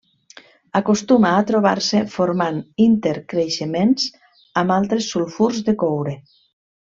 Acostuma a trobar-se formant intercreixements amb altres sulfurs de coure.